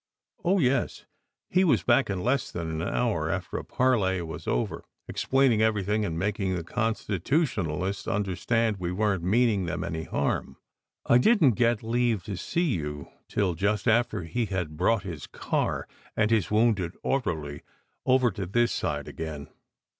"Oh, yes, he was back in less than an hour, after a parley over there, explaining everything and making the Consti tutionalists understand we weren t meaning them any harm. I didn t get leave to see you till just after he had brought his car and his wounded orderly over to this side again.